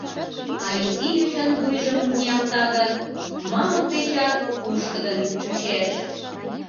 А изи йочан вуйжым ниялта гын, мамык дечат пушкыдын чучеш.